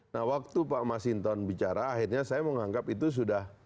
nah waktu pak masinton bicara akhirnya saya menganggap itu sudah